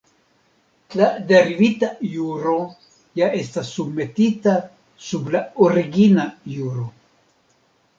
La derivita juro ja estas submetita sub la origina juro.